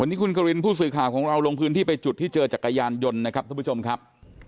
วันนี้คุณควินผู้สื่อข่าวของเราลงพื้นที่ไปจุดที่เจอจักรยานยนต์นะครับทุกผู้ชมครับ